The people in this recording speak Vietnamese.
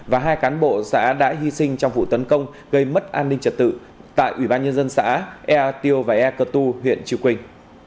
và hai cán bộ xã đã hy sinh trong vụ tấn công gây mất an ninh trật tự tại ủy ban nhân dân xã ea tiêu và e cơ tu huyện chư quỳnh